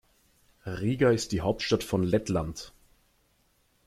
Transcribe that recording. Riga ist die Hauptstadt von Lettland.